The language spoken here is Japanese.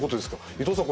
伊藤さん